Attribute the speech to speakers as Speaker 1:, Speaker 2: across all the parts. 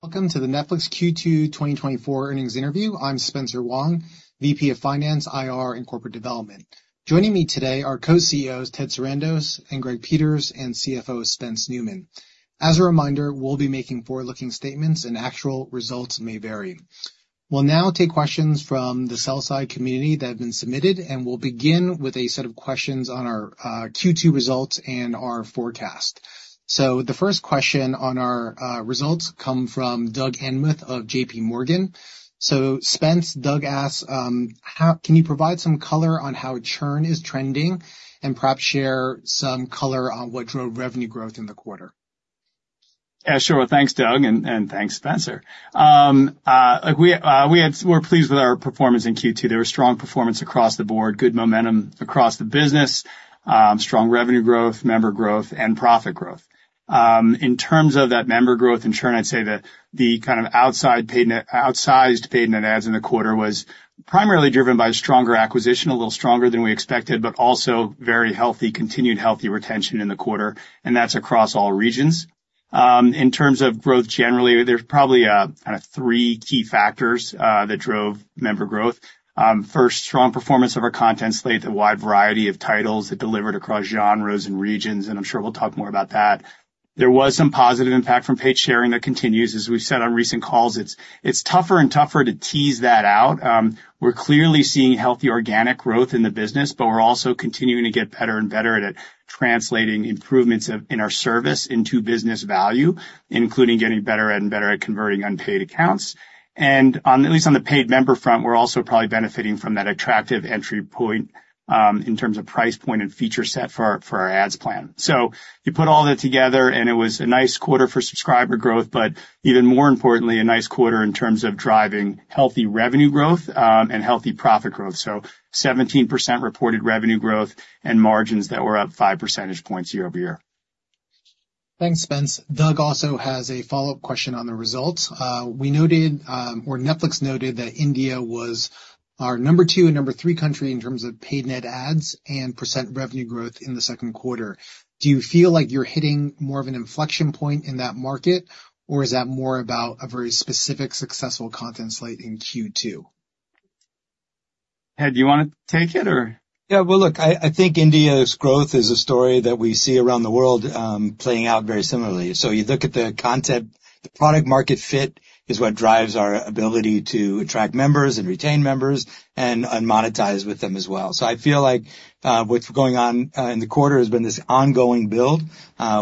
Speaker 1: Welcome to the Netflix Q2 2024 earnings interview. I'm Spencer Wang, VP of Finance, IR, and Corporate Development. Joining me today are Co-CEOs Ted Sarandos and Greg Peters, and CFO Spencer Neumann. As a reminder, we'll be making forward-looking statements, and actual results may vary. We'll now take questions from the sell side community that have been submitted, and we'll begin with a set of questions on our Q2 results and our forecast. So the first question on our results come from Doug Anmuth of JPMorgan. So Spencer, Doug asks, "Can you provide some color on how churn is trending, and perhaps share some color on what drove revenue growth in the quarter?
Speaker 2: Yeah, sure. Well, thanks, Doug, and thanks, Spencer. We're pleased with our performance in Q2. There was strong performance across the board, good momentum across the business, strong revenue growth, member growth, and profit growth. In terms of that member growth and churn, I'd say that the kind of outsized paid net adds in the quarter was primarily driven by stronger acquisition, a little stronger than we expected, but also very healthy, continued healthy retention in the quarter, and that's across all regions. In terms of growth, generally, there's probably kind of three key factors that drove member growth. First, strong performance of our content slate, the wide variety of titles that delivered across genres and regions, and I'm sure we'll talk more about that. There was some positive impact from paid sharing that continues. As we've said on recent calls, it's, it's tougher and tougher to tease that out. We're clearly seeing healthy organic growth in the business, but we're also continuing to get better and better at translating improvements of, in our service into business value, including getting better and better at converting unpaid accounts. And on, at least on the paid member front, we're also probably benefiting from that attractive entry point, in terms of price point and feature set for our, for our ads plan. So you put all that together, and it was a nice quarter for subscriber growth, but even more importantly, a nice quarter in terms of driving healthy revenue growth, and healthy profit growth. So 17% reported revenue growth and margins that were up five percentage points year-over-year.
Speaker 1: Thanks, Spencer. Doug also has a follow-up question on the results. We noted, or Netflix noted that India was our number two and number three country in terms of paid net adds and percent revenue growth in the second quarter. Do you feel like you're hitting more of an inflection point in that market, or is that more about a very specific successful content slate in Q2?
Speaker 2: Ted, do you wanna take it or?
Speaker 3: Yeah, well, look, I, I think India's growth is a story that we see around the world, playing out very similarly. So you look at the content, the product market fit is what drives our ability to attract members and retain members and, and monetize with them as well. So I feel like, what's going on in the quarter has been this ongoing build.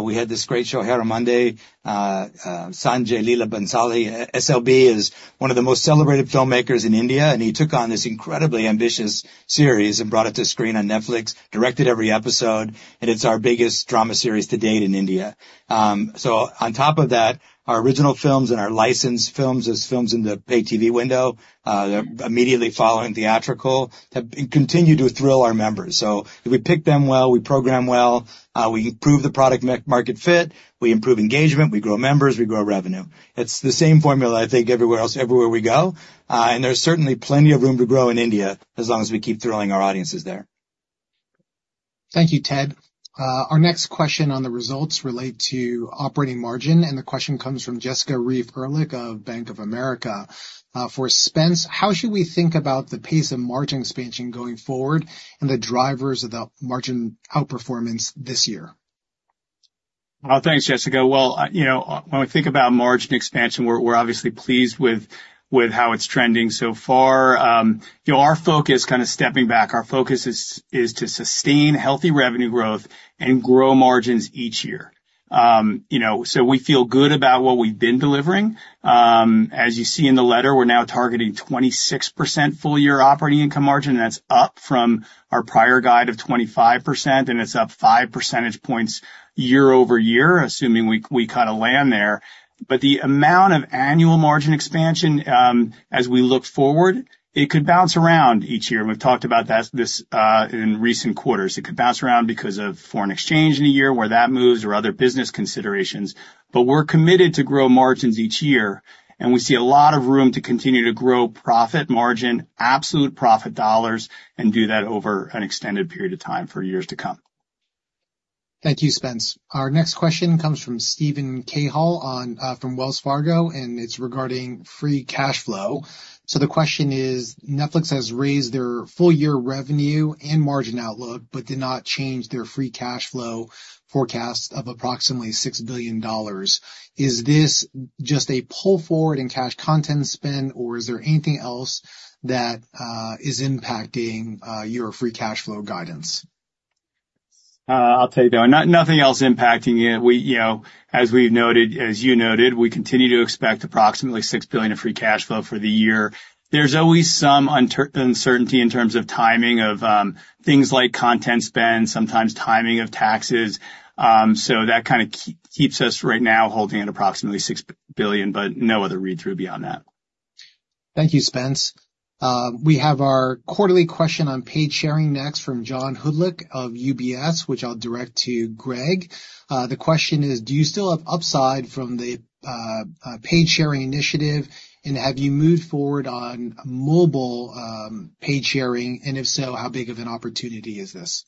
Speaker 3: We had this great show, Heeramandi. Sanjay Leela Bhansali, SLB, is one of the most celebrated filmmakers in India, and he took on this incredibly ambitious series and brought it to screen on Netflix, directed every episode, and it's our biggest drama series to date in India. So on top of that, our original films and our licensed films, as films in the paid TV window, they're immediately following theatrical, have continued to thrill our members. So if we pick them well, we program well, we improve the product market fit, we improve engagement, we grow members, we grow revenue. It's the same formula, I think, everywhere else, everywhere we go, and there's certainly plenty of room to grow in India as long as we keep thrilling our audiences there.
Speaker 1: Thank you, Ted. Our next question on the results relate to operating margin, and the question comes from Jessica Reif Ehrlich of Bank of America. For Spence: "How should we think about the pace of margin expansion going forward and the drivers of the margin outperformance this year?
Speaker 2: Well, thanks, Jessica. Well, you know, when we think about margin expansion, we're, we're obviously pleased with, with how it's trending so far. You know, our focus, kind of stepping back, our focus is, is to sustain healthy revenue growth and grow margins each year. You know, so we feel good about what we've been delivering. As you see in the letter, we're now targeting 26% full-year operating income margin, and that's up from our prior guide of 25%, and it's up five percentage points year-over-year, assuming we, we kind of land there. But the amount of annual margin expansion, as we look forward, it could bounce around each year, and we've talked about that, this, in recent quarters. It could bounce around because of foreign exchange in a year, where that moves, or other business considerations. But we're committed to grow margins each year, and we see a lot of room to continue to grow profit margin, absolute profit dollars, and do that over an extended period of time for years to come.
Speaker 1: Thank you, Spencer. Our next question comes from Steven Cahall on from Wells Fargo, and it's regarding free cash flow. So the question is: Netflix has raised their full year revenue and margin outlook but did not change their free cash flow forecast of approximately $6 billion. Is this just a pull forward in cash content spend, or is there anything else that is impacting your free cash flow guidance?
Speaker 2: I'll tell you, nothing else impacting it. We, you know, as we've noted, as you noted, we continue to expect approximately $6 billion of free cash flow for the year. There's always some uncertainty in terms of timing of things like content spend, sometimes timing of taxes. So that kind of keeps us, right now, holding at approximately $6 billion, but no other read-through beyond that.
Speaker 1: Thank you, Spencer. We have our quarterly question on paid sharing next from John Hodulik of UBS, which I'll direct to Greg. The question is: Do you still have upside from the paid sharing initiative, and have you moved forward on mobile paid sharing? And if so, how big of an opportunity is this?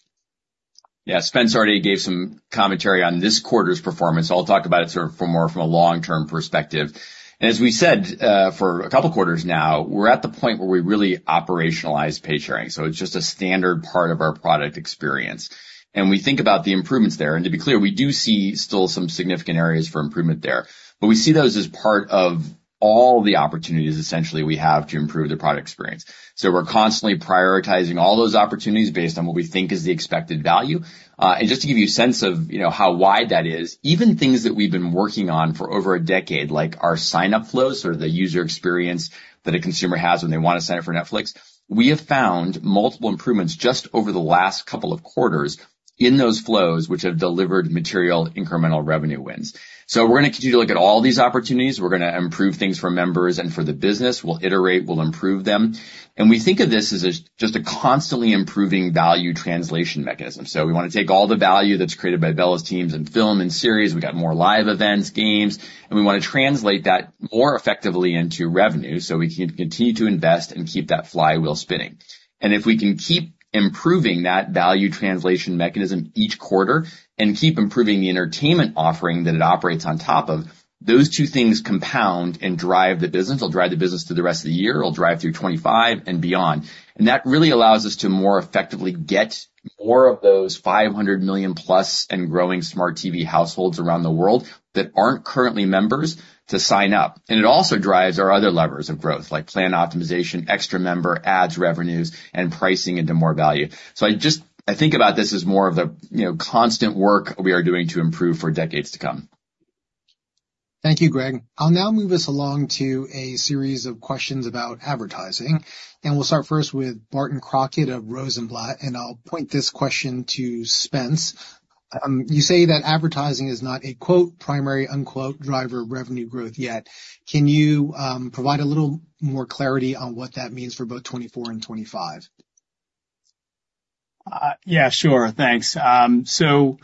Speaker 4: Yeah, Spence already gave some commentary on this quarter's performance, so I'll talk about it sort of from a more long-term perspective. As we said, for a couple quarters now, we're at the point where we really operationalize paid sharing, so it's just a standard part of our product experience. We think about the improvements there, and to be clear, we do see still some significant areas for improvement there. But we see those as part of all the opportunities, essentially, we have to improve the product experience. We're constantly prioritizing all those opportunities based on what we think is the expected value. And just to give you a sense of, you know, how wide that is, even things that we've been working on for over a decade, like our sign-up flow, sort of the user experience that a consumer has when they want to sign up for Netflix, we have found multiple improvements just over the last couple of quarters in those flows, which have delivered material incremental revenue wins. So we're gonna continue to look at all these opportunities. We're gonna improve things for members and for the business. We'll iterate, we'll improve them. And we think of this as a just a constantly improving value translation mechanism. So we wanna take all the value that's created by Bela's teams in film and series, we've got more live events, games, and we wanna translate that more effectively into revenue, so we can continue to invest and keep that flywheel spinning. If we can keep improving that value translation mechanism each quarter and keep improving the entertainment offering that it operates on top of, those two things compound and drive the business. It'll drive the business through the rest of the year, it'll drive through 2025 and beyond. That really allows us to more effectively get more of those 500 million plus and growing smart TV households around the world that aren't currently members, to sign up. It also drives our other levers of growth, like plan optimization, extra member, ads, revenues, and pricing into more value. So I think about this as more of a, you know, constant work we are doing to improve for decades to come.
Speaker 1: Thank you, Greg. I'll now move us along to a series of questions about advertising, and we'll start first with Barton Crockett of Rosenblatt, and I'll point this question to Spence. You say that advertising is not a, quote, primary, unquote, driver of revenue growth yet. Can you provide a little more clarity on what that means for both 2024 and 2025?
Speaker 2: Yeah, sure. Thanks. So,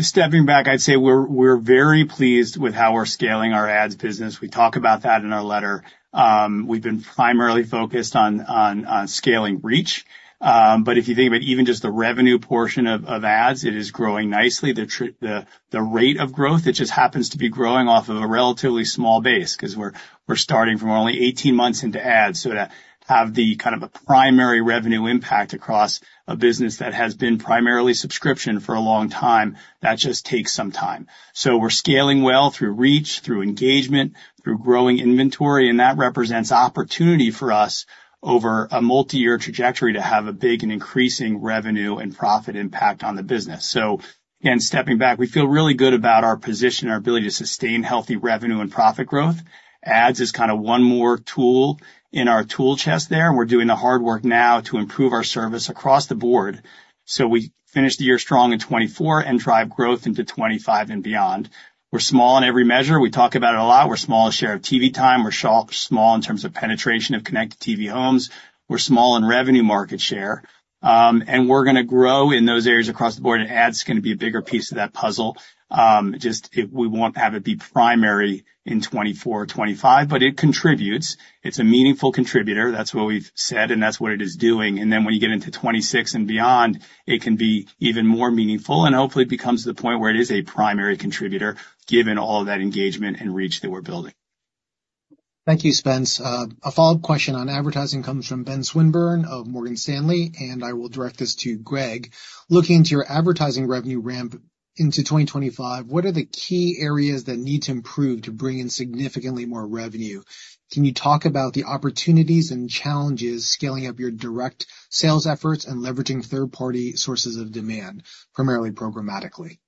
Speaker 2: stepping back, I'd say we're very pleased with how we're scaling our ads business. We talk about that in our letter. We've been primarily focused on scaling reach, but if you think about even just the revenue portion of ads, it is growing nicely. The rate of growth, it just happens to be growing off of a relatively small base, 'cause we're starting from only 18 months into ads, so to have the kind of a primary revenue impact across a business that has been primarily subscription for a long time, that just takes some time. So we're scaling well through reach, through engagement, through growing inventory, and that represents opportunity for us over a multi-year trajectory to have a big and increasing revenue and profit impact on the business. So again, stepping back, we feel really good about our position, our ability to sustain healthy revenue and profit growth. Ads is kinda one more tool in our tool chest there, and we're doing the hard work now to improve our service across the board, so we finish the year strong in 2024 and drive growth into 2025 and beyond. We're small in every measure. We talk about it a lot. We're small in share of TV time, we're small in terms of penetration of connected TV homes, we're small in revenue market share, and we're gonna grow in those areas across the board, and ads is gonna be a bigger piece of that puzzle. Just, we won't have it be primary in 2024 or 2025, but it contributes. It's a meaningful contributor. That's what we've said, and that's what it is doing. Then when you get into 2026 and beyond, it can be even more meaningful, and hopefully, it becomes to the point where it is a primary contributor, given all of that engagement and reach that we're building.
Speaker 1: Thank you, Spencer. A follow-up question on advertising comes from Ben Swinburne of Morgan Stanley, and I will direct this to Greg. Looking to your advertising revenue ramp into 2025, what are the key areas that need to improve to bring in significantly more revenue? Can you talk about the opportunities and challenges scaling up your direct sales efforts and leveraging third-party sources of demand, primarily programmatically?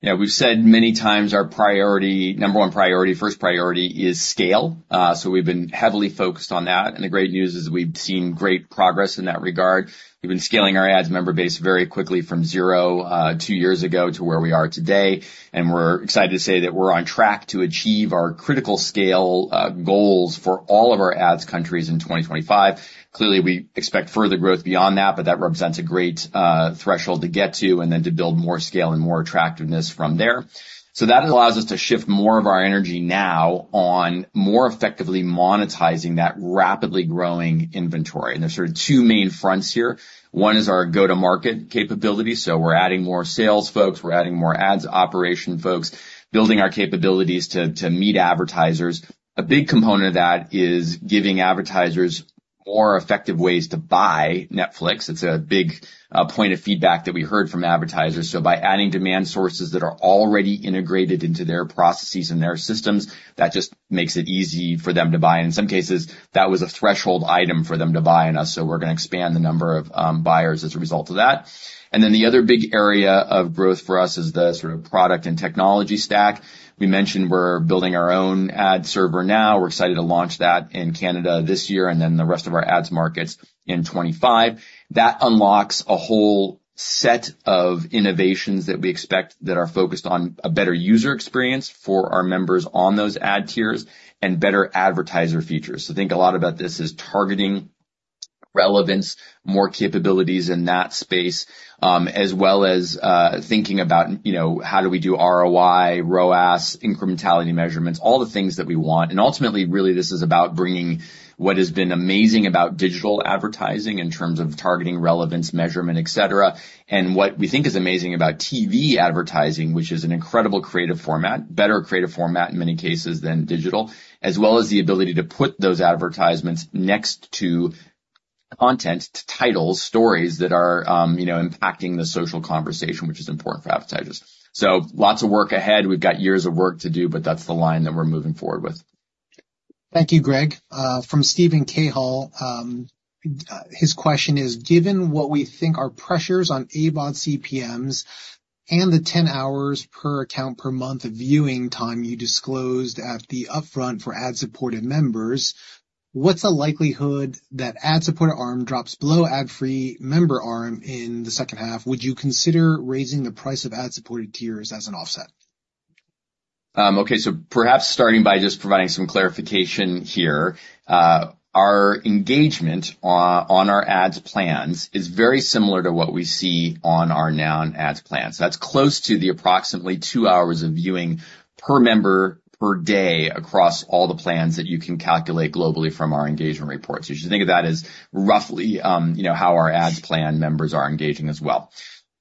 Speaker 4: Yeah, we've said many times our priority, number one priority, first priority, is scale. So we've been heavily focused on that, and the great news is we've seen great progress in that regard. We've been scaling our ads member base very quickly from zero, two years ago to where we are today, and we're excited to say that we're on track to achieve our critical scale, goals for all of our ads countries in 2025. Clearly, we expect further growth beyond that, but that represents a great, threshold to get to and then to build more scale and more attractiveness from there. So that allows us to shift more of our energy now on more effectively monetizing that rapidly growing inventory. And there's sort of two main fronts here. One is our go-to-market capability, so we're adding more sales folks, we're adding more ads operation folks, building our capabilities to meet advertisers. A big component of that is giving advertisers more effective ways to buy Netflix. It's a big point of feedback that we heard from advertisers. So by adding demand sources that are already integrated into their processes and their systems, that just makes it easy for them to buy. In some cases, that was a threshold item for them to buy on us, so we're gonna expand the number of buyers as a result of that. And then, the other big area of growth for us is the sort of product and technology stack. We mentioned we're building our own ad server now. We're excited to launch that in Canada this year, and then the rest of our ads markets in 2025. That unlocks a whole set of innovations that we expect, that are focused on a better user experience for our members on those ad tiers and better advertiser features. So think a lot about this as targeting relevance, more capabilities in that space, as well as, thinking about, you know, how do we do ROI, ROAS, incrementality measurements, all the things that we want. And ultimately, really, this is about bringing what has been amazing about digital advertising in terms of targeting relevance, measurement, etc., and what we think is amazing about TV advertising, which is an incredible creative format, better creative format in many cases than digital, as well as the ability to put those advertisements next to content, to titles, stories that are, you know, impacting the social conversation, which is important for advertisers. So lots of work ahead. We've got years of work to do, but that's the line that we're moving forward with.
Speaker 1: Thank you, Greg. From Stephen Cahall. His question is, given what we think are pressures on AVOD CPMs and the 10 hours per account per month of viewing time you disclosed at the Upfront for ad-supported members, what's the likelihood that ad-supported ARM drops below ad-free member ARM in the second half? Would you consider raising the price of ad-supported tiers as an offset?
Speaker 4: Okay, so perhaps starting by just providing some clarification here. Our engagement on our ads plans is very similar to what we see on our non-ads plans. That's close to the approximately 2 hours of viewing per member per day across all the plans that you can calculate globally from our engagement reports. You should think of that as roughly, you know, how our ads plan members are engaging as well.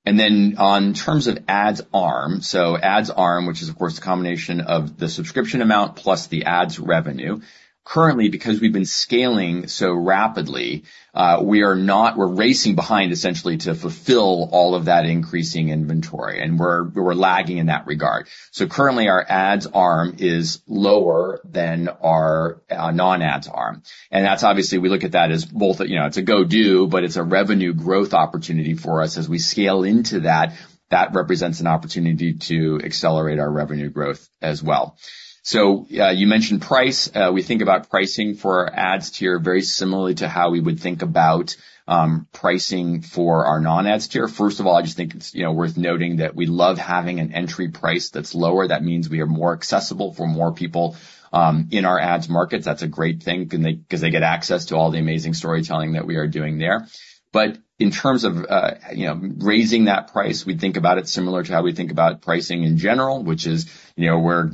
Speaker 4: And then in terms of ads ARM, so ads ARM, which is, of course, the combination of the subscription amount plus the ads revenue, currently, because we've been scaling so rapidly, we are not- we're racing behind, essentially, to fulfill all of that increasing inventory, and we're lagging in that regard. So currently, our ads ARM is lower than our non-ads ARM. And that's obviously, we look at that as both a, you know, it's a go-to, but it's a revenue growth opportunity for us. As we scale into that, that represents an opportunity to accelerate our revenue growth as well. So, you mentioned price. We think about pricing for our ads tier very similarly to how we would think about pricing for our non-ads tier. First of all, I just think it's, you know, worth noting that we love having an entry price that's lower. That means we are more accessible for more people in our ads markets. That's a great thing, 'cause they get access to all the amazing storytelling that we are doing there. But in terms of, you know, raising that price, we think about it similar to how we think about pricing in general, which is, you know,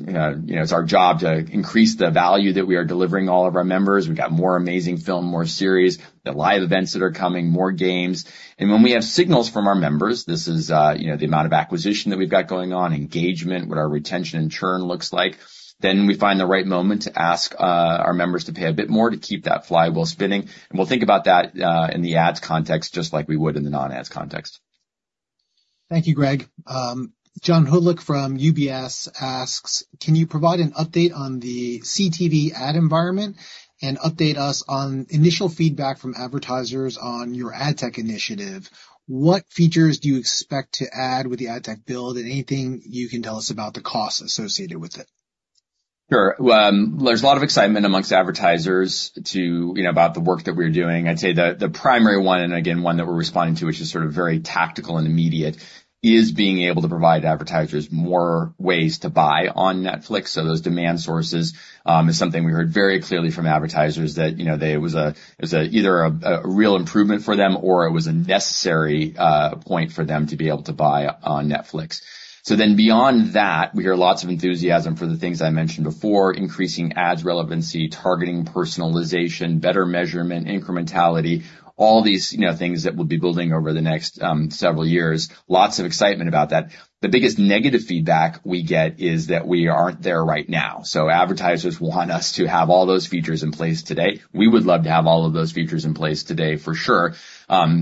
Speaker 4: it's our job to increase the value that we are delivering all of our members. We've got more amazing film, more series, the live events that are coming, more games. And when we have signals from our members, this is, you know, the amount of acquisition that we've got going on, engagement, what our retention and churn looks like, then we find the right moment to ask, our members to pay a bit more to keep that flywheel spinning. And we'll think about that, in the ads context, just like we would in the non-ads context.
Speaker 1: Thank you, Greg. John Hodulik from UBS asks, can you provide an update on the CTV ad environment and update us on initial feedback from advertisers on your ad tech initiative? What features do you expect to add with the ad tech build, and anything you can tell us about the costs associated with it?
Speaker 4: Sure. Well, there's a lot of excitement amongst advertisers to, you know, about the work that we're doing. I'd say the primary one, and again, one that we're responding to, which is sort of very tactical and immediate, is being able to provide advertisers more ways to buy on Netflix. So those demand sources is something we heard very clearly from advertisers that, you know, they, it was either a real improvement for them, or it was a necessary point for them to be able to buy on Netflix. So then beyond that, we hear lots of enthusiasm for the things I mentioned before, increasing ads relevancy, targeting, personalization, better measurement, incrementality, all these, you know, things that we'll be building over the next several years. Lots of excitement about that. The biggest negative feedback we get is that we aren't there right now. So advertisers want us to have all those features in place today. We would love to have all of those features in place today, for sure.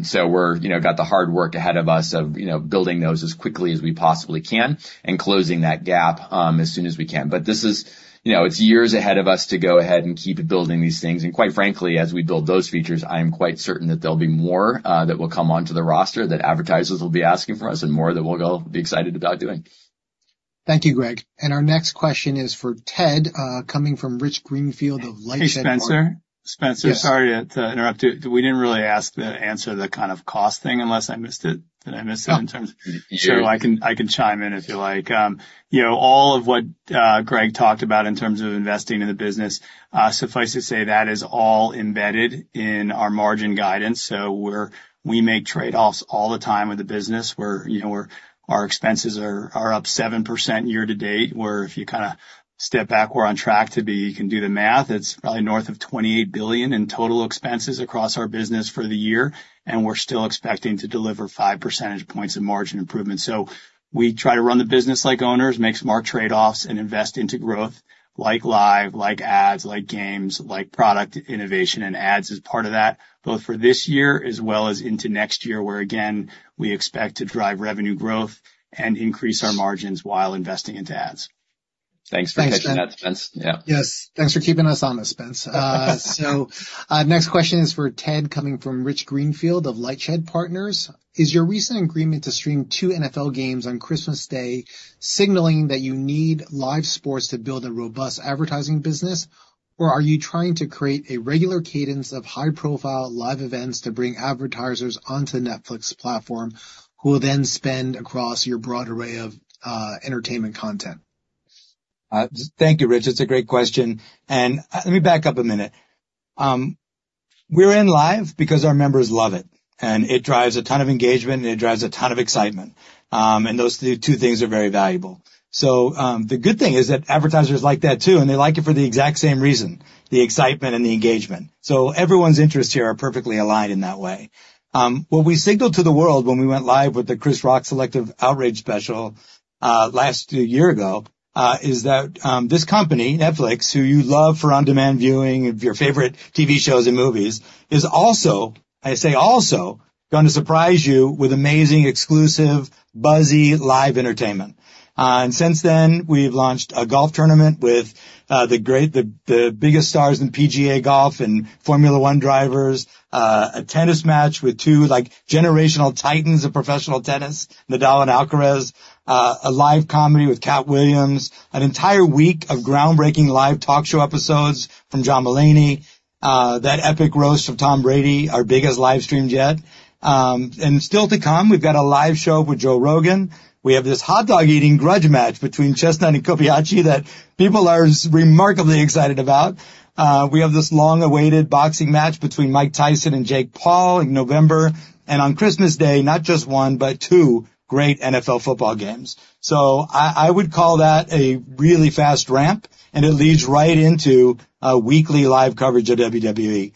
Speaker 4: So we're, you know, got the hard work ahead of us of, you know, building those as quickly as we possibly can and closing that gap, as soon as we can. But this is, you know, it's years ahead of us to go ahead and keep building these things. And quite frankly, as we build those features, I am quite certain that there'll be more, that will come onto the roster that advertisers will be asking from us and more that we'll be excited about doing.
Speaker 1: Thank you, Greg. And our next question is for Ted, coming from Rich Greenfield of LightShed.
Speaker 2: Hey, Spencer. Spencer-
Speaker 1: Yes.
Speaker 2: Sorry to interrupt you. We didn't really ask the answer to the kind of cost thing, unless I missed it. Did I miss it in terms?
Speaker 4: No.
Speaker 2: Sure, I can, I can chime in if you like. You know, all of what Greg talked about in terms of investing in the business, suffice to say, that is all embedded in our margin guidance. So we're- we make trade-offs all the time with the business, where, you know, where our expenses are, are up 7% year to date, where if you kinda step back, we're on track to be you can do the math, it's probably north of $28 billion in total expenses across our business for the year, and we're still expecting to deliver five percentage points in margin improvement. We try to run the business like owners, make smart trade-offs, and invest into growth, like live, like ads, like games, like product innovation, and ads is part of that, both for this year as well as into next year, where again, we expect to drive revenue growth and increase our margins while investing into ads.
Speaker 4: Thanks for catching that, Spencer.
Speaker 1: Thanks, Spencer.
Speaker 4: Yeah.
Speaker 1: Yes, thanks for keeping us honest, Spence. So, next question is for Ted, coming from Rich Greenfield of LightShed Partners. Is your recent agreement to stream 2 NFL games on Christmas Day signaling that you need live sports to build a robust advertising business, or are you trying to create a regular cadence of high-profile live events to bring advertisers onto the Netflix platform, who will then spend across your broad array of entertainment content?
Speaker 3: Thank you, Rich. It's a great question, and let me back up a minute. We're in live because our members love it, and it drives a ton of engagement, and it drives a ton of excitement. And those two things are very valuable. So the good thing is that advertisers like that too, and they like it for the exact same reason, the excitement and the engagement. So everyone's interests here are perfectly aligned in that way. What we signaled to the world when we went live with the Chris Rock Selective Outrage special last year ago is that this company, Netflix, who you love for on-demand viewing of your favorite TV shows and movies, is also, I say also, going to surprise you with amazing, exclusive, buzzy, live entertainment. And since then, we've launched a golf tournament with the biggest stars in PGA golf and Formula 1 drivers, a tennis match with 2, like, generational titans of professional tennis, Nadal and Alcaraz, a live comedy with Katt Williams, an entire week of groundbreaking live talk show episodes from John Mulaney, that epic roast of Tom Brady, our biggest live stream yet. And still to come, we've got a live show with Joe Rogan. We have this hot dog eating grudge match between Chestnut and Kobayashi that people are remarkably excited about. We have this long-awaited boxing match between Mike Tyson and Jake Paul in November, and on Christmas Day, not just 1, but 2 great NFL football games. So I would call that a really fast ramp, and it leads right into a weekly live coverage of WWE.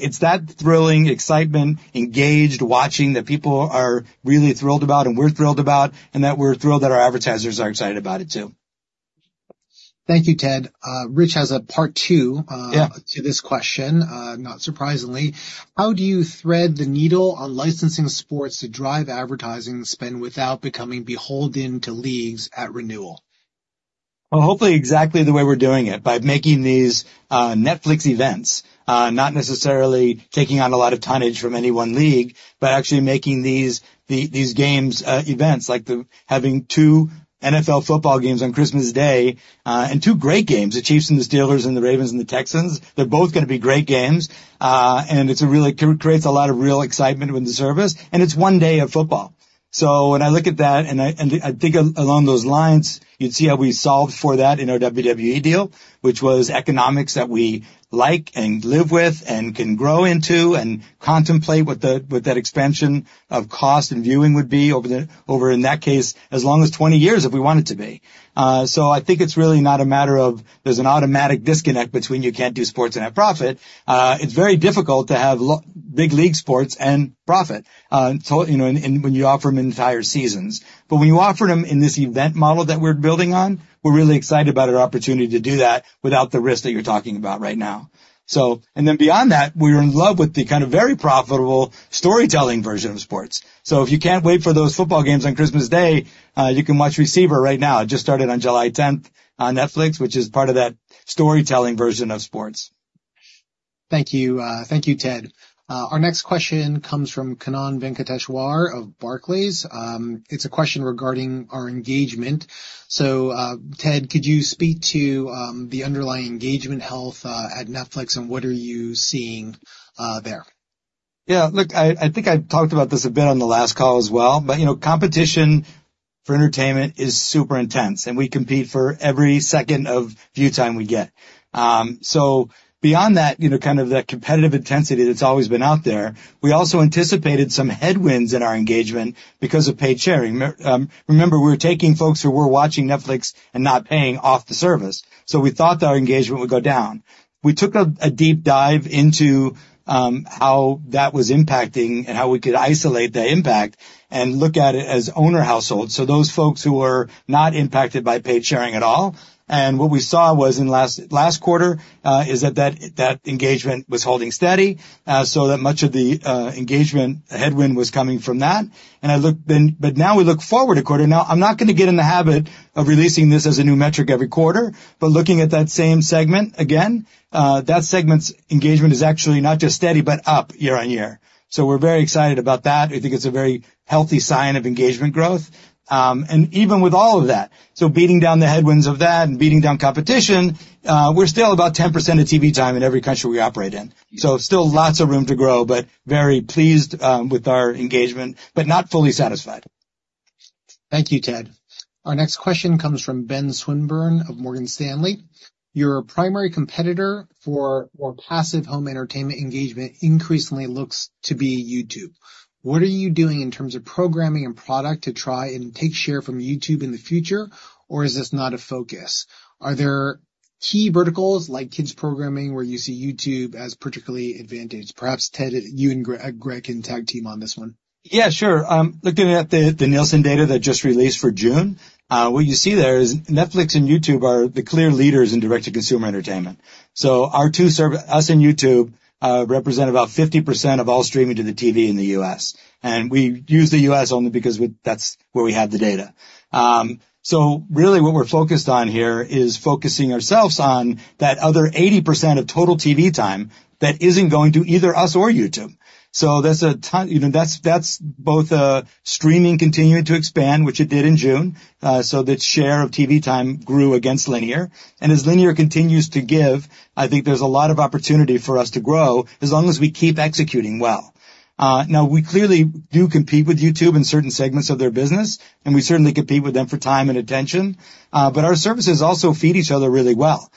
Speaker 3: It's that thrilling excitement, engaged watching, that people are really thrilled about and we're thrilled about, and that we're thrilled that our advertisers are excited about it, too.
Speaker 1: Thank you, Ted. Rich has a part two,
Speaker 3: Yeah
Speaker 1: To this question, not surprisingly. How do you thread the needle on licensing sports to drive advertising spend without becoming beholden to leagues at renewal?
Speaker 3: Well, hopefully exactly the way we're doing it, by making these Netflix events, not necessarily taking on a lot of tonnage from any one league, but actually making these these games events, like the having two NFL football games on Christmas Day, and two great games, the Chiefs and the Steelers and the Ravens and the Texans. They're both gonna be great games. And it's a really creates a lot of real excitement with the service, and it's one day of football. So when I look at that and I think along those lines, you'd see how we solved for that in our WWE deal, which was economics that we like and live with and can grow into and contemplate what that expansion of cost and viewing would be over, in that case, as long as 20 years, if we want it to be. So I think it's really not a matter of there's an automatic disconnect between you can't do sports and have profit. It's very difficult to have big league sports and profit, so, you know, and when you offer them entire seasons. But when you offer them in this event model that we're building on, we're really excited about our opportunity to do that without the risk that you're talking about right now. So and then beyond that, we're in love with the kind of very profitable storytelling version of sports. So if you can't wait for those football games on Christmas Day, you can watch Receiver right now. It just started on July tenth on Netflix, which is part of that storytelling version of sports.
Speaker 1: Thank you, Ted. Our next question comes from Kannan Venkateshwar of Barclays. It's a question regarding our engagement. So, Ted, could you speak to the underlying engagement health at Netflix, and what are you seeing there?
Speaker 3: Yeah, look, I think I talked about this a bit on the last call as well, but, you know, competition for entertainment is super intense, and we compete for every second of view time we get. So beyond that, you know, kind of the competitive intensity that's always been out there, we also anticipated some headwinds in our engagement because of paid sharing. Remember, we were taking folks who were watching Netflix and not paying for the service, so we thought that our engagement would go down. We took a deep dive into how that was impacting and how we could isolate the impact and look at it as owner households, so those folks who were not impacted by paid sharing at all. And what we saw was in last quarter is that engagement was holding steady, so that much of the engagement headwind was coming from that. And I looked then. But now we look forward a quarter. Now, I'm not gonna get in the habit of releasing this as a new metric every quarter, but looking at that same segment again, that segment's engagement is actually not just steady, but up year-on-year. So we're very excited about that. I think it's a very healthy sign of engagement growth. And even with all of that, so beating down the headwinds of that and beating down competition, we're still about 10% of TV time in every country we operate in. So still lots of room to grow, but very pleased with our engagement, but not fully satisfied.
Speaker 1: Thank you, Ted. Our next question comes from Ben Swinburne of Morgan Stanley: "Your primary competitor for more passive home entertainment engagement increasingly looks to be YouTube. What are you doing in terms of programming and product to try and take share from YouTube in the future, or is this not a focus? Are there key verticals, like kids' programming, where you see YouTube as particularly advantaged?" Perhaps, Ted, you and Greg can tag team on this one.
Speaker 3: Yeah, sure. Looking at the Nielsen data that just released for June, what you see there is Netflix and YouTube are the clear leaders in direct-to-consumer entertainment. So our two service, us and YouTube, represent about 50% of all streaming to the TV in the U.S., and we use the U.S. only because that's where we have the data. So really what we're focused on here is focusing ourselves on that other 80% of total TV time that isn't going to either us or YouTube. So that's a ton, you know, that's both streaming continuing to expand, which it did in June, so that share of TV time grew against linear, and as linear continues to give, I think there's a lot of opportunity for us to grow as long as we keep executing well. Now we clearly do compete with YouTube in certain segments of their business, and we certainly compete with them for time and attention, but our services also feed each other really well.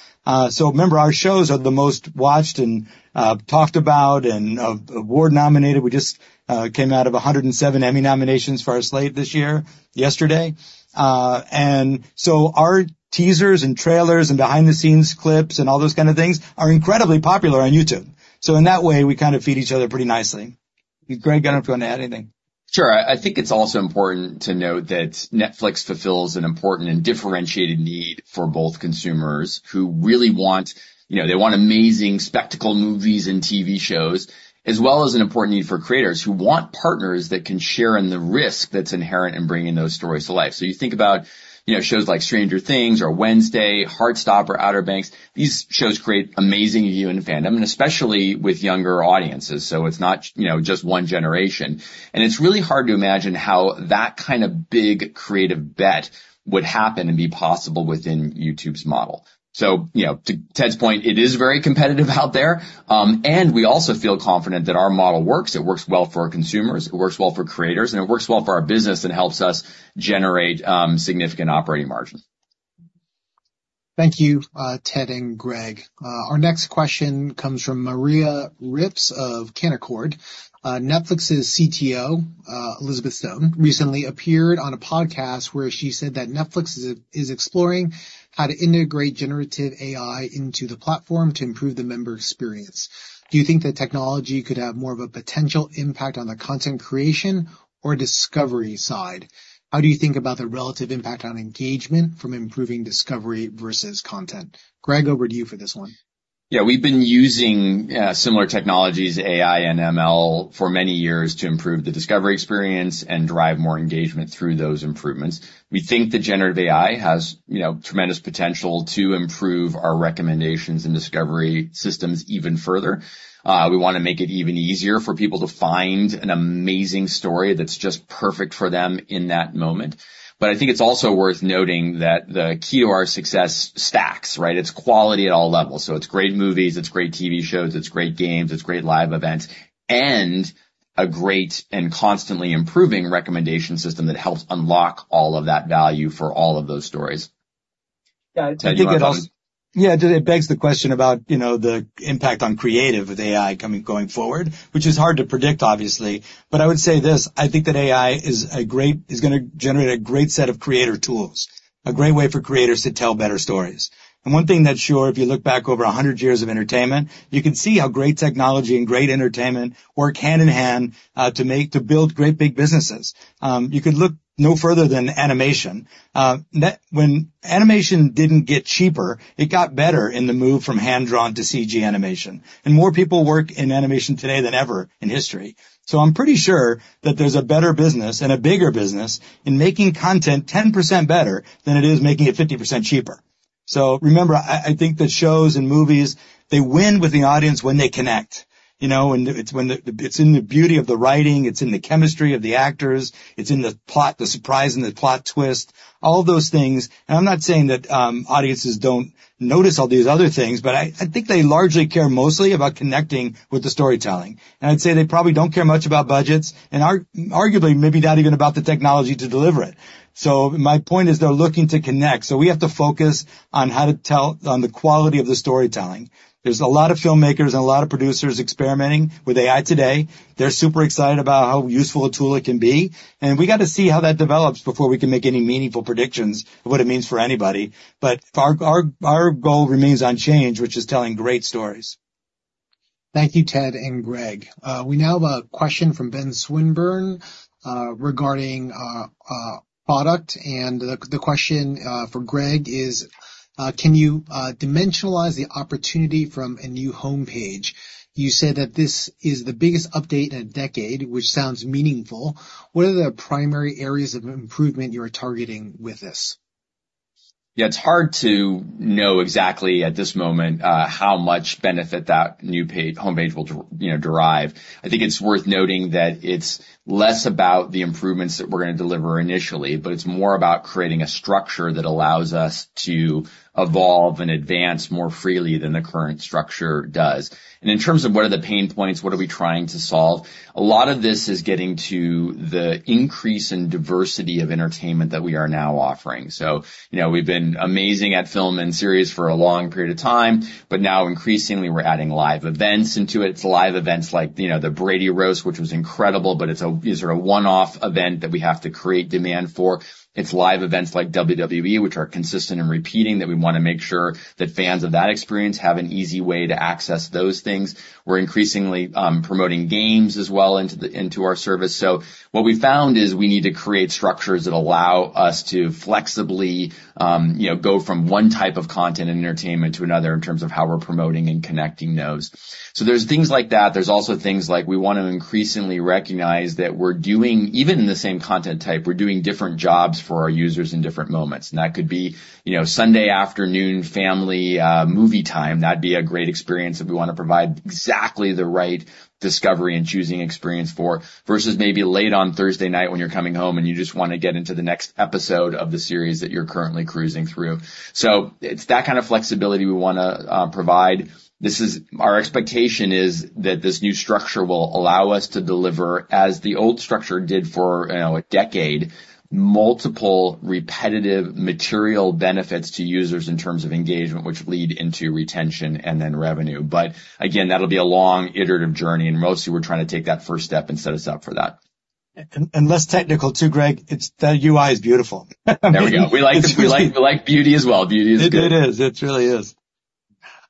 Speaker 3: So remember, our shows are the most watched and talked about and award nominated. We just came out of 107 Emmy nominations for our slate this year, yesterday. And so our teasers and trailers and behind-the-scenes clips and all those kind of things are incredibly popular on YouTube. So in that way, we kind of feed each other pretty nicely. Greg, I don't know if you want to add anything?
Speaker 4: Sure. I think it's also important to note that Netflix fulfills an important and differentiated need for both consumers who really want, you know, they want amazing spectacle movies and TV shows, as well as an important need for creators who want partners that can share in the risk that's inherent in bringing those stories to life. So you think about, you know, shows like Stranger Things or Wednesday, Heartstopper or Outer Banks, these shows create amazing view and fandom, and especially with younger audiences. So it's not, you know, just one generation. And it's really hard to imagine how that kind of big, creative bet would happen and be possible within YouTube's model. So, you know, to Ted's point, it is very competitive out there. And we also feel confident that our model works. It works well for our consumers, it works well for creators, and it works well for our business, and it helps us generate significant operating margin.
Speaker 1: Thank you, Ted and Greg. Our next question comes from Maria Rips of Canaccord. Netflix's CTO, Elizabeth Stone, recently appeared on a podcast where she said that Netflix is exploring how to integrate generative AI into the platform to improve the member experience. Do you think the technology could have more of a potential impact on the content creation or discovery side? How do you think about the relative impact on engagement from improving discovery versus content? Greg, over to you for this one.
Speaker 4: Yeah, we've been using similar technologies, AI and ML, for many years to improve the discovery experience and drive more engagement through those improvements. We think the generative AI has, you know, tremendous potential to improve our recommendations and discovery systems even further. We wanna make it even easier for people to find an amazing story that's just perfect for them in that moment. But I think it's also worth noting that the key to our success stacks, right? It's quality at all levels, so it's great movies, it's great TV shows, it's great games, it's great live events, and a great and constantly improving recommendation system that helps unlock all of that value for all of those stories.
Speaker 3: Yeah, it begs the question about, you know, the impact on creative with AI coming... Going forward, which is hard to predict, obviously. But I would say this: I think that AI is a great- is gonna generate a great set of creator tools, a great way for creators to tell better stories. And one thing that's sure, if you look back over 100 years of entertainment, you can see how great technology and great entertainment work hand-in-hand to make, to build great big businesses. You could look no further than animation. Next, when animation didn't get cheaper, it got better in the move from hand-drawn to CG animation, and more people work in animation today than ever in history. So I'm pretty sure that there's a better business and a bigger business in making content 10% better than it is making it 50% cheaper. So remember, I think that shows and movies, they win with the audience when they connect, you know? And it's when it's in the beauty of the writing, it's in the chemistry of the actors, it's in the plot, the surprise, and the plot twist, all those things. And I'm not saying that audiences don't notice all these other things, but I think they largely care mostly about connecting with the storytelling. And I'd say they probably don't care much about budgets and arguably, maybe not even about the technology to deliver it. So my point is, they're looking to connect, so we have to focus on how to tell on the quality of the storytelling. There's a lot of filmmakers and a lot of producers experimenting with AI today. They're super excited about how useful a tool it can be, and we got to see how that develops before we can make any meaningful predictions of what it means for anybody. But our goal remains unchanged, which is telling great stories.
Speaker 1: Thank you, Ted and Greg. We now have a question from Ben Swinburne regarding product, and the question for Greg is, can you dimensionalize the opportunity from a new homepage? You said that this is the biggest update in a decade, which sounds meaningful. What are the primary areas of improvement you are targeting with this?
Speaker 4: Yeah, it's hard to know exactly at this moment how much benefit that new page, homepage will you know, derive. I think it's worth noting that it's less about the improvements that we're gonna deliver initially, but it's more about creating a structure that allows us to evolve and advance more freely than the current structure does. In terms of what are the pain points, what are we trying to solve? A lot of this is getting to the increase in diversity of entertainment that we are now offering. So, you know, we've been amazing at film and series for a long period of time, but now increasingly we're adding live events into it. It's live events like, you know, the Brady Roast, which was incredible, but it's a- these are a one-off event that we have to create demand for. It's live events like WWE, which are consistent and repeating, that we wanna make sure that fans of that experience have an easy way to access those things. We're increasingly promoting games as well into our service. So what we found is we need to create structures that allow us to flexibly, you know, go from one type of content and entertainment to another in terms of how we're promoting and connecting those. So there's things like that. There's also things like we want to increasingly recognize that we're doing, even in the same content type, we're doing different jobs for our users in different moments. And that could be, you know, Sunday afternoon family movie time. That'd be a great experience if we wanna provide exactly the right discovery and choosing experience for, versus maybe late on Thursday night when you're coming home, and you just wanna get into the next episode of the series that you're currently cruising through. So it's that kind of flexibility we wanna provide. Our expectation is that this new structure will allow us to deliver, as the old structure did for, you know, a decade, multiple repetitive material benefits to users in terms of engagement, which lead into retention and then revenue. But again, that'll be a long, iterative journey, and mostly we're trying to take that first step and set us up for that.
Speaker 3: Less technical too, Greg. The UI is beautiful.
Speaker 4: There we go. We like beauty as well. Beauty is good.
Speaker 3: It is. It really is.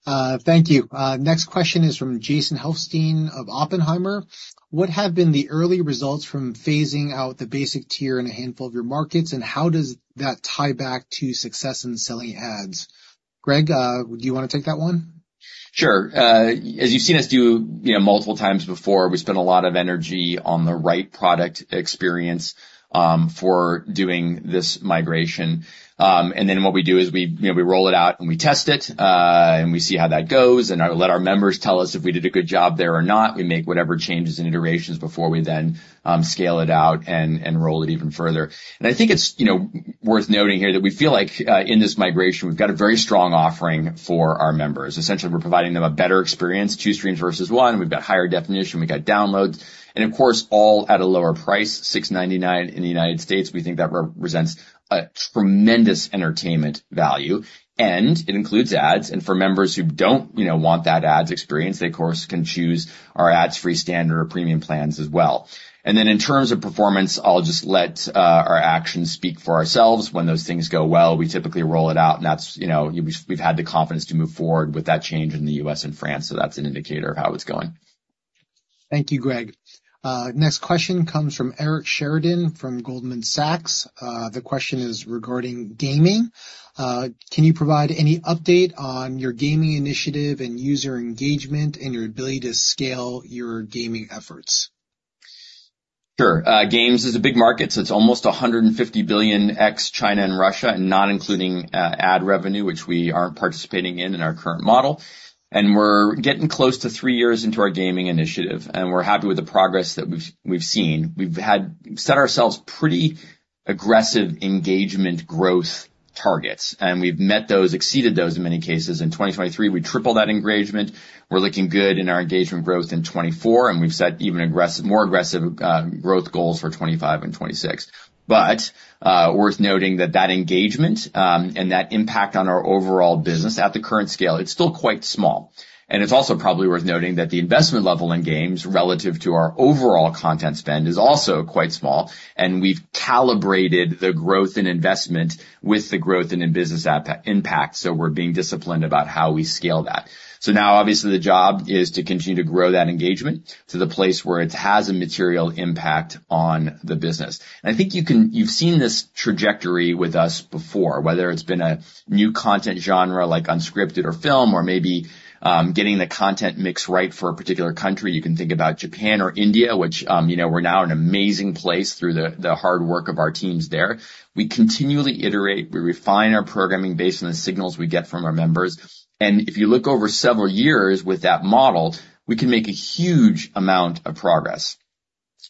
Speaker 1: Thank you. Next question is from Jason Helfstein of Oppenheimer. What have been the early results from phasing out the basic tier in a handful of your markets, and how does that tie back to success in selling ads? Greg, do you wanna take that one?
Speaker 4: Sure. As you've seen us do, you know, multiple times before, we spend a lot of energy on the right product experience for doing this migration. And then what we do is we, you know, we roll it out, and we test it, and we see how that goes, and I let our members tell us if we did a good job there or not. We make whatever changes and iterations before we then scale it out and, and roll it even further. And I think it's, you know, worth noting here that we feel like in this migration, we've got a very strong offering for our members. Essentially, we're providing them a better experience, two streams versus one. We've got higher definition, we've got downloads, and of course, all at a lower price, $6.99 in the United States. We think that represents a tremendous entertainment value, and it includes ads. And for members who don't, you know, want that ads experience, they, of course, can choose our ads-free standard or premium plans as well. And then, in terms of performance, I'll just let our actions speak for ourselves. When those things go well, we typically roll it out, and that's, you know, we've, we've had the confidence to move forward with that change in the U.S. and France, so that's an indicator of how it's going.
Speaker 1: Thank you, Greg. Next question comes from Eric Sheridan, from Goldman Sachs. The question is regarding gaming. Can you provide any update on your gaming initiative and user engagement and your ability to scale your gaming efforts?
Speaker 4: Sure. Games is a big market, so it's almost $150 billion, ex China and Russia, and not including ad revenue, which we aren't participating in, in our current model. We're getting close to 3 years into our gaming initiative, and we're happy with the progress that we've, we've seen. We've had set ourselves pretty aggressive engagement growth targets, and we've met those, exceeded those in many cases. In 2023, we tripled that engagement. We're looking good in our engagement growth in 2024, and we've set even more aggressive growth goals for 2025 and 2026. But worth noting that that engagement and that impact on our overall business at the current scale, it's still quite small. It's also probably worth noting that the investment level in games, relative to our overall content spend, is also quite small, and we've calibrated the growth in investment with the growth in the business outpace impact. So we're being disciplined about how we scale that. So now, obviously, the job is to continue to grow that engagement to the place where it has a material impact on the business. And I think you can—you've seen this trajectory with us before, whether it's been a new content genre, like unscripted or film, or maybe getting the content mix right for a particular country. You can think about Japan or India, which, you know, we're now in an amazing place through the hard work of our teams there. We continually iterate, we refine our programming based on the signals we get from our members, and if you look over several years with that model, we can make a huge amount of progress.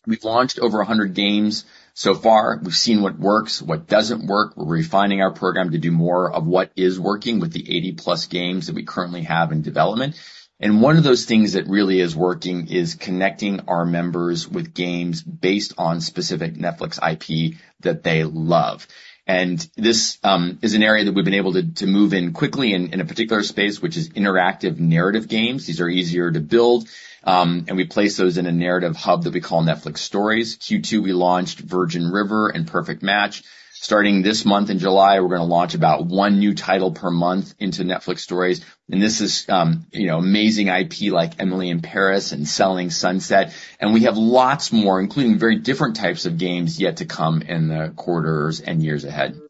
Speaker 4: We've launched over 100 games so far. We've seen what works, what doesn't work. We're refining our program to do more of what is working with the 80+ games that we currently have in development. And one of those things that really is working is connecting our members with games based on specific Netflix IP that they love. And this is an area that we've been able to move in quickly in a particular space, which is interactive narrative games. These are easier to build, and we place those in a narrative hub that we call Netflix Stories. Q2, we launched Virgin River and Perfect Match. Starting this month in July, we're gonna launch about one new title per month into Netflix Stories. And this is, you know, amazing IP, like Emily in Paris and Selling Sunset, and we have lots more, including very different types of games, yet to come in the quarters and years ahead.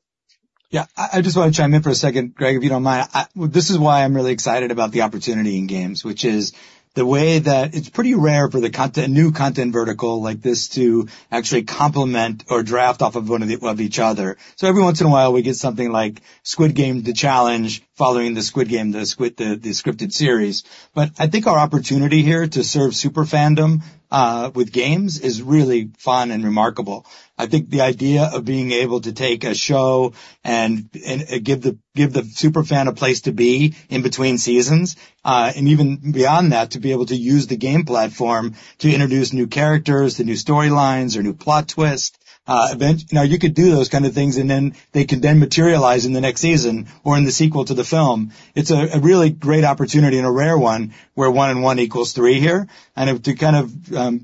Speaker 3: Yeah, I just wanna chime in for a second, Greg, if you don't mind. This is why I'm really excited about the opportunity in games, which is the way that it's pretty rare for the content, new content vertical like this to actually complement or draft off of one of the of each other. So every once in a while, we get something like Squid Game: The Challenge, following the Squid Game, the scripted series. But I think our opportunity here to serve super fandom with games is really fun and remarkable. I think the idea of being able to take a show and give the super fan a place to be in between seasons, and even beyond that, to be able to use the game platform to introduce new characters to new storylines or new plot twists, event. Now, you could do those kind of things, and then they can then materialize in the next season or in the sequel to the film. It's a really great opportunity and a rare one, where one and one equals three here. And to kind of,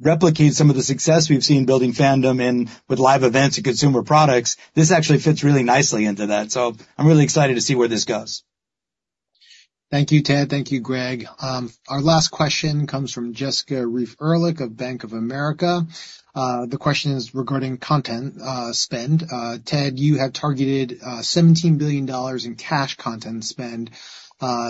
Speaker 3: replicate some of the success we've seen building fandom in with live events and consumer products, this actually fits really nicely into that. So I'm really excited to see where this goes.
Speaker 1: Thank you, Ted. Thank you, Greg. Our last question comes from Jessica Reif Ehrlich of Bank of America. The question is regarding content spend. Ted, you have targeted $17 billion in cash content spend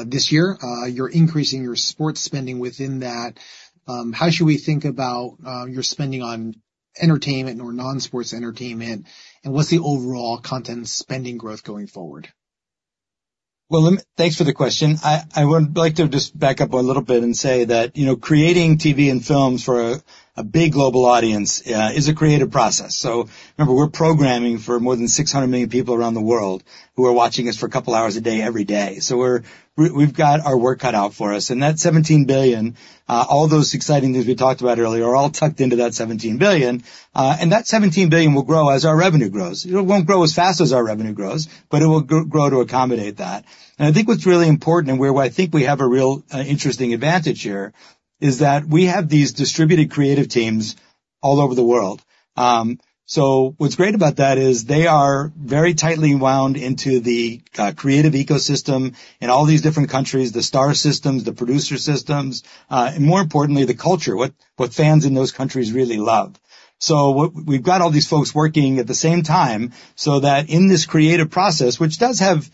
Speaker 1: this year. You're increasing your sports spending within that. How should we think about your spending on entertainment or non-sports entertainment, and what's the overall content spending growth going forward?
Speaker 3: Well, thanks for the question. I would like to just back up a little bit and say that, you know, creating TV and films for a big global audience is a creative process. So remember, we're programming for more than 600 million people around the world, who are watching us for a couple hours a day, every day. So we've got our work cut out for us. And that $17 billion, all those exciting news we talked about earlier, are all tucked into that $17 billion, and that $17 billion will grow as our revenue grows. It won't grow as fast as our revenue grows, but it will grow to accommodate that. And I think what's really important, and where I think we have a real interesting advantage here, is that we have these distributed creative teams all over the world. So what's great about that is they are very tightly wound into the creative ecosystem in all these different countries, the star systems, the producer systems, and more importantly, the culture, what fans in those countries really love. So what we've got all these folks working at the same time, so that in this creative process, which does have,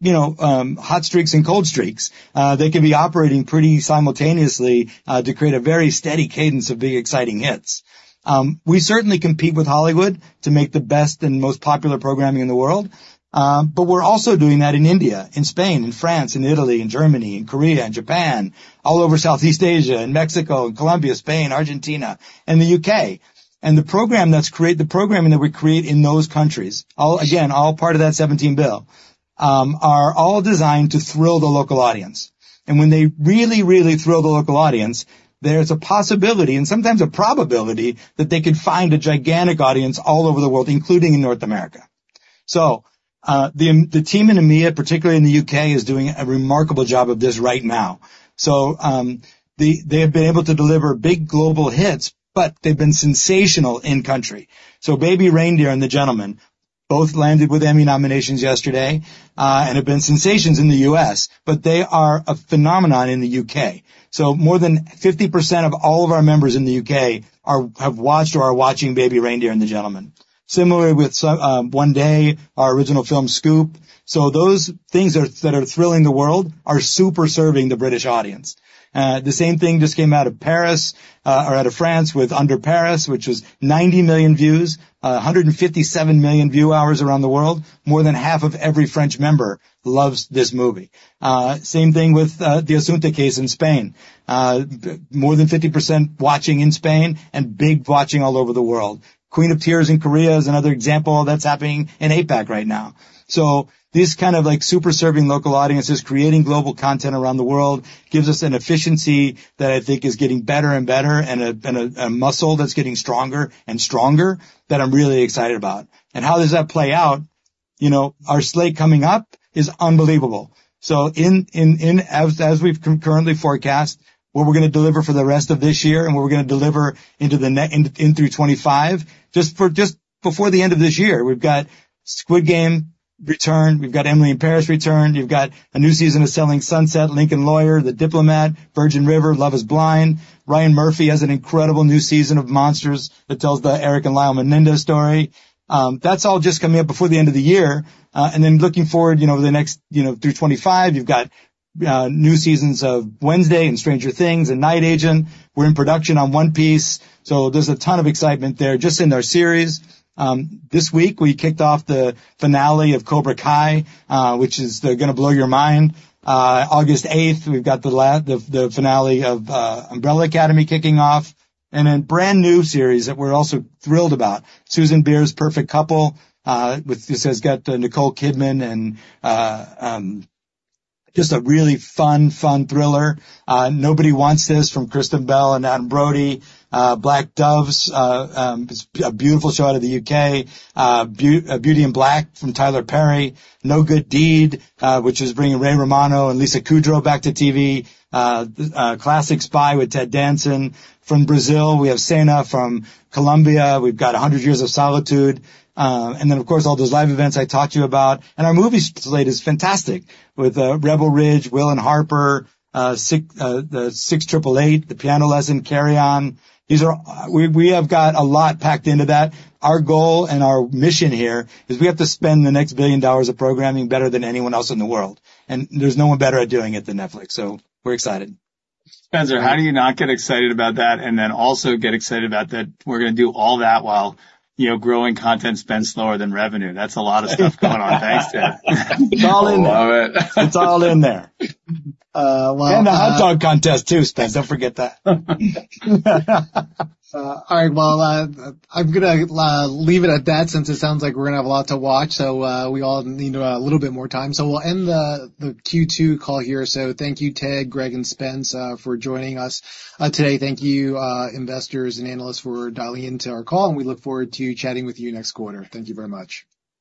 Speaker 3: you know, hot streaks and cold streaks, they can be operating pretty simultaneously to create a very steady cadence of big, exciting hits. We certainly compete with Hollywood to make the best and most popular programming in the world, but we're also doing that in India, in Spain, in France, in Italy, in Germany, in Korea, and Japan, all over Southeast Asia, and Mexico, and Colombia, Spain, Argentina, and the U.K. The programming that we create in those countries, all, again, all part of that $17 billion, are all designed to thrill the local audience. When they really, really thrill the local audience, there's a possibility and sometimes a probability that they could find a gigantic audience all over the world, including in North America. The team in EMEA, particularly in the U.K., is doing a remarkable job of this right now. They have been able to deliver big global hits, but they've been sensational in country. Baby Reindeer and The Gentlemen both landed with Emmy nominations yesterday, and have been sensations in the U.S., but they are a phenomenon in the U.K. More than 50% of all of our members in the U.K. have watched or are watching Baby Reindeer and The Gentlemen. Similarly with One Day, our original film, Scoop. So those things that are thrilling the world are super serving the British audience. The same thing just came out of Paris, or out of France with Under Paris, which was 90 million views, 157 million view hours around the world. More than half of every French member loves this movie. Same thing with The Asunta Case in Spain. More than 50% watching in Spain and big watching all over the world. Queen of Tears in Korea is another example that's happening in APAC right now. So this kind of, like, super serving local audiences, creating global content around the world, gives us an efficiency that I think is getting better and better, and a muscle that's getting stronger and stronger, that I'm really excited about. And how does that play out? You know, our slate coming up is unbelievable. So, as we've currently forecast, what we're gonna deliver for the rest of this year and what we're gonna deliver into 2025, just before the end of this year, we've got Squid Game return, we've got Emily in Paris return, you've got a new season of Selling Sunset, Lincoln Lawyer, The Diplomat, Virgin River, Love Is Blind. Ryan Murphy has an incredible new season of Monsters that tells the Erik and Lyle Menendez story. That's all just coming up before the end of the year. And then looking forward, you know, over the next, you know, through 2025, you've got new seasons of Wednesday and Stranger Things and Night Agent. We're in production on One Piece, so there's a ton of excitement there. Just in our series, this week, we kicked off the finale of Cobra Kai, which is gonna blow your mind. August eighth, we've got the finale of Umbrella Academy kicking off, and a brand-new series that we're also thrilled about, Susanne Bier's Perfect Couple, which has got Nicole Kidman and just a really fun, fun thriller. Nobody Wants This from Kristen Bell and Adam Brody. Black Doves, it's a beautiful show out of the UK. Beauty in Black from Tyler Perry. No Good Deed, which is bringing Ray Romano and Lisa Kudrow back to TV. Classic Spy with Ted Danson. From Brazil, we have Senna. From Colombia, we've got One Hundred Years of Solitude. And then, of course, all those live events I talked to you about. Our movie slate is fantastic, with Rebel Ridge, Will & Harper, The Six Triple Eight, The Piano Lesson, Carry On. These are... We have got a lot packed into that. Our goal and our mission here is we have to spend the next $1 billion of programming better than anyone else in the world, and there's no one better at doing it than Netflix, so we're excited.
Speaker 1: Spencer, how do you not get excited about that and then also get excited about that we're gonna do all that while, you know, growing content spend slower than revenue? That's a lot of stuff going on. Thanks, Ted.
Speaker 3: It's all in there.
Speaker 1: Love it.
Speaker 3: It's all in there. Well-
Speaker 2: And a hot dog contest, too, Spencer. Don't forget that.
Speaker 1: All right. Well, I'm gonna leave it at that, since it sounds like we're gonna have a lot to watch, so we all need a little bit more time. So we'll end the Q2 call here. So thank you, Ted, Greg, and Spencer, for joining us today. Thank you, investors and analysts for dialing into our call, and we look forward to chatting with you next quarter. Thank you very much.